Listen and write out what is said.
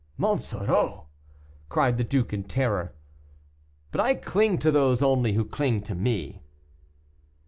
"Monsoreau!" cried the duke, in terror. "But I cling to those only who cling to me."